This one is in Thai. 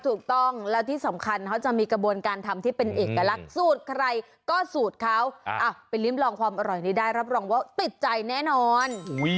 ถูกต้องแล้วที่สำคัญเขาจะมีกระบวนการทำที่เป็นเอกลักษณ์สูตรใครก็สูตรเขาไปริ้มลองความอร่อยนี้ได้รับรองว่าติดใจแน่นอน